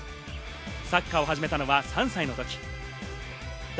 サッカーを始めたのは３歳のとき。